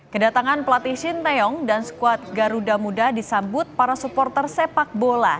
kedatangan pelatih shin taeyong dan skuad garuda muda disambut para supporter sepak bola